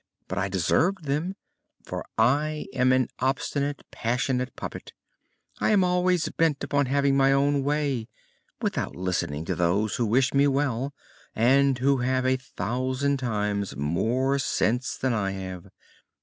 But I deserved them, for I am an obstinate, passionate puppet. I am always bent upon having my own way, without listening to those who wish me well, and who have a thousand times more sense than I have!